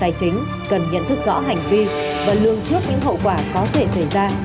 tài chính cần nhận thức rõ hành vi và lương trước những hậu quả có thể xảy ra